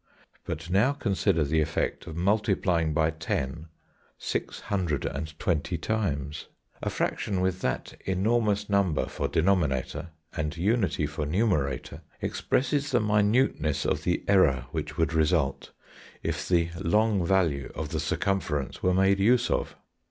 But now consider the effect of multiplying by ten, six hundred and twenty times. A fraction, with that enormous number for denominator, and unity for numerator, expresses the minuteness of the error which would result if the 'long value' of the circumference were made use of.